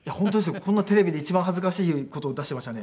こんなテレビで一番恥ずかしい事を出していましたね。